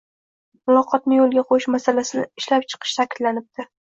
Muloqotni yoʻlga qoʻyish masalasini ishlab chiqish taʼkidlanibdi.